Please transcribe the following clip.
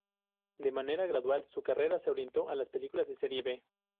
De manera gradual su carrera se orientó a las películas de serie "B".